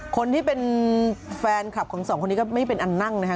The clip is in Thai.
คนที่เป็นแฟนคลับของสองคนนี้ก็ไม่เป็นอันนั่งนะฮะ